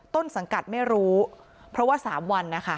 ต้นสังกัดไม่รู้เพราะว่า๓วันนะคะ